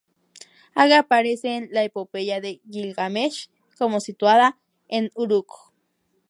Aga aparece en "La Epopeya de Gilgamesh" como situada en Uruk.